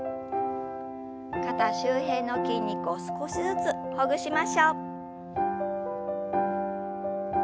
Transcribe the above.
肩周辺の筋肉を少しずつほぐしましょう。